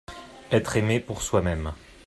Etre aimé pour soi-même…